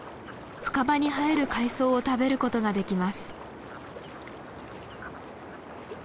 深場に生える海草を食べることができます。